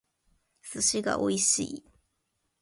寿司が美味しい